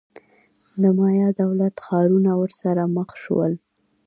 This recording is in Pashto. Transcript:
د مایا دولت-ښارونه ورسره مخ شول.